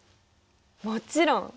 もちろん。